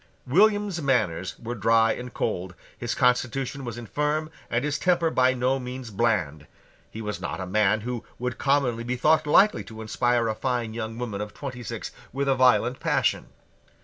William's manners were dry and cold, his constitution was infirm, and his temper by no means bland; he was not a man who would commonly be thought likely to inspire a fine young woman of twenty six with a violent passion.